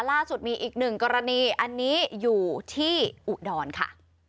ล่าสุดมีอีกหนึ่งกรณีอันนี้อยู่ที่อุดรค่ะ